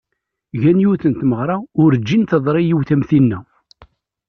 Gan yiwet n tmeɣra, urǧin d-teḍri yiwet am tin.